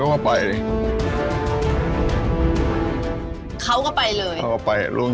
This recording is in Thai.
อืมอืมอืมอืมอืม